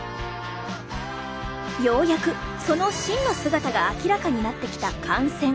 ようやくその真の姿が明らかになってきた汗腺。